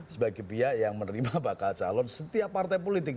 sebagai pihak yang menerima bakal calon setiap partai politik